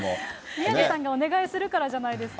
宮根さんがお願いするからじゃないですか。